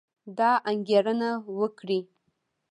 دا انګېرنه وکړئ